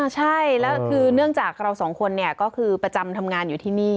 ใช่แล้วคือเนื่องจากเราสองคนก็คือประจำทำงานอยู่ที่นี่